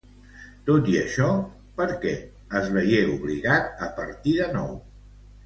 Tot i això, per què es veié obligat a partir de nou?